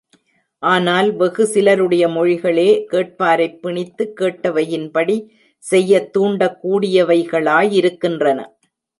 ஆனால் வெகு சிலருடைய மொழிகளே, கேட்பாரைப் பிணித்து, கேட்டவையின்படி செய்யத் தூண்டக் கூடியவைகளாயிருக்கின்றன.